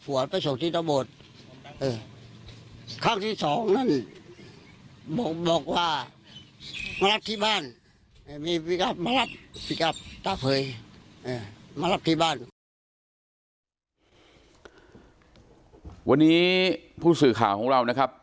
วันนี้ผู้สื่อข่าวของเรานะครับ